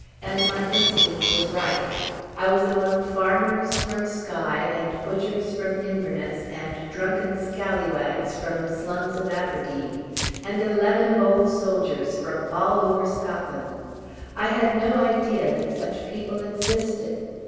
"And my instinct was right. I was among farmers from Skye and butchers from Inverness and drunken scallywags from the slums of Aberdeen, and a leaven of old soldiers from all over Scotland. I had no idea that such people existed.